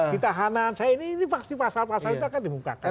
ditahanan saya ini pasti pasal pasal itu akan dimukakan